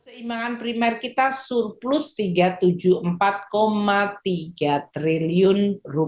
keseimbangan primer kita surplus rp tiga ratus tujuh puluh empat tiga triliun